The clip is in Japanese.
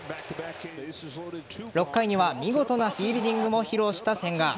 ６回には見事なフィールディングも披露した千賀。